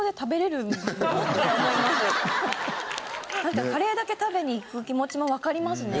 なんかカレーだけ食べに行く気持ちもわかりますね。